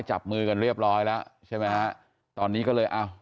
จับมือกันเรียบร้อยแล้วใช่ไหมฮะตอนนี้ก็เลยอ้าว